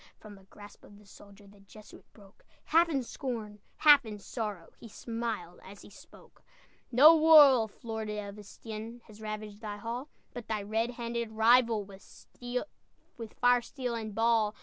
From the grasp of the soldier The Jesuit broke, Half in scorn, half in sorrow, He smiled as he spoke: "No wolf, Lord of Estienne, Has ravaged thy hall, But thy red handed rival, With fire, steel, and ball!